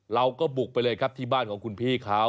เราก็บุกไปเลยครับที่บ้านของคุณพี่เขา